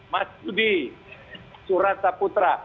mas sudi surataputra